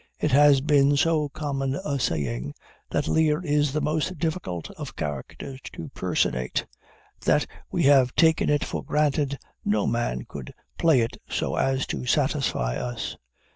It has been so common a saying, that Lear is the most difficult of characters to personate, that we had taken it for granted no man could play it so as to satisfy us.